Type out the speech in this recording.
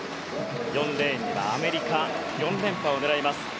４レーンにはアメリカ４連覇を狙います。